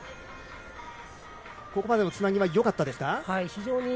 ここまでのつなぎはよかったですか。